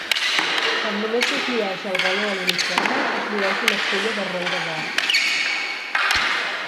Quan només es llueix el galó a l'uniforme es llueix una fulla de roure d'or.